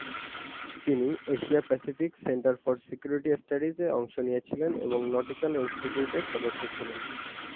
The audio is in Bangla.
তিনি Asia Pacific center for security studies এ অংশ নিয়েছিলেন এবং নটিক্যাল ইনস্টিটিউটের সদস্য ছিলেন।